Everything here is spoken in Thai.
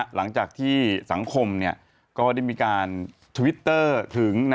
หลังจากที่สังคมก็ได้มีการทวิตเตอร์ถึง